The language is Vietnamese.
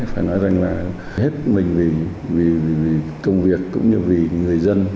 phải nói rằng là hết mình vì công việc cũng như vì người dân